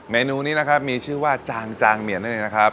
เมนูนี้นะครับมีชื่อว่าจางจางเหมียนนั่นเองนะครับ